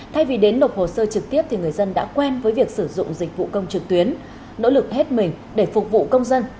thay vì đến nộp hồ sơ trực tiếp thì người dân đã quen với việc sử dụng dịch vụ công trực tuyến nỗ lực hết mình để phục vụ công dân